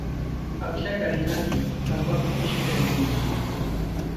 अक्षय-करीना की 'कमबख्त इश्क' रिलीज